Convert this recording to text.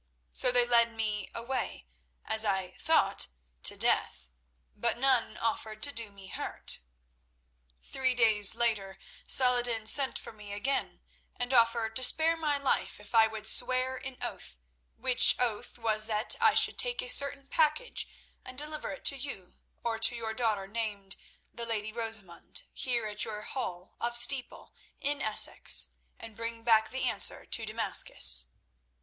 So they led me away, as I thought, to death, but none offered to do me hurt. "Three days later Saladin sent for me again, and offered to spare my life if I would swear an oath, which oath was that I should take a certain package and deliver it to you, or to your daughter named the Lady Rosamund here at your hall of Steeple, in Essex, and bring back the answer to Damascus.